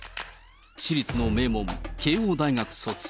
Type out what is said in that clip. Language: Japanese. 私立の名門、慶應大学卒。